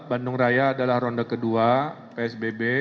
bandung raya adalah ronde kedua psbb